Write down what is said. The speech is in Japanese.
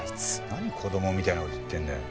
何子供みたいな事言ってんだよ。